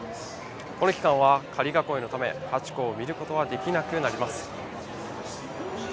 この期間は仮囲いのため、ハチ公を見ることはできなくなります。